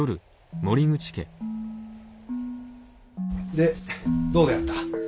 でどうであった？